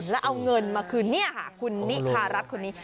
แล้วเอาเงินมาคืนเนี่ยค่ะคุณนิพารัฐคนนี้